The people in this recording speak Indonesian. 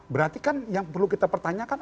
berarti kan yang perlu kita pertanyakan